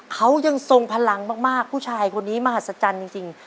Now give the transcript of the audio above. เขายังทรงพลังมากผู้ชายคนนี้มหัศจรรย์จริง